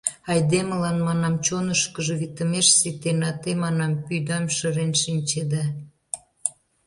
Айдемылан, манам, чонышкыжо витымеш ситен, а те, манам, пӱйдам шырен шинчеда.